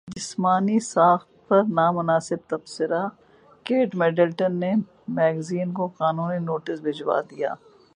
جسمانی ساخت پر نامناسب تبصرہ کیٹ مڈلٹن نے میگزین کو قانونی نوٹس بھجوادیا